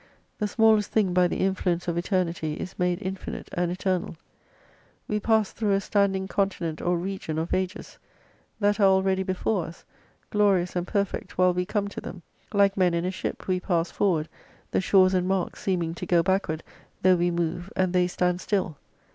The smallest thing by the influence of eternity, is made infinite and eternal. "We pass through a standing continent or region of ages, that are already before us, glorious and perfect while we come to them. Like men in a ship we pass forward, the shores and marks seeming to go back ward, though we move and they stand still.